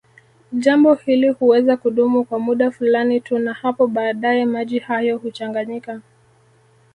Jambo hili huweza kudumu kwa muda fulani tu na hapo baadaye maji hayo huchanganyika